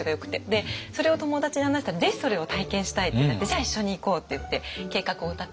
でそれを友達に話したらぜひそれを体験したいってなってじゃあ一緒に行こうって言って計画を立てて。